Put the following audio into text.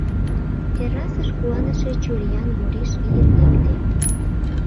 Террасыш куаныше чуриян Бориш ийын лекте.